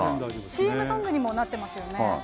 ＣＭソングにもなってますよ